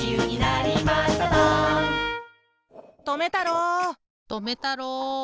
とめたろう！とめたろう！